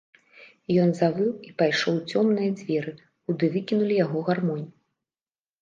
Ён завыў і пайшоў у цёмныя дзверы, куды выкінулі яго гармонь.